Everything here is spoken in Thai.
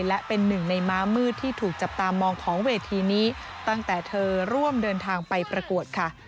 และเป็นหนึ่งในม้ามืดที่ถูกจับตามองของเวทีนี้ตั้งแต่เธอร่วมเดินทางไปประกวดค่ะ